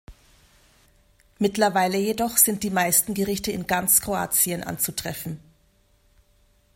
Mittlerweile jedoch sind die meisten Gerichte in ganz Kroatien anzutreffen.